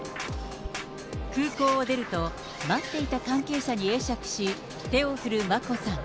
空港を出ると、待っていた関係者に会釈し、手を振る眞子さん。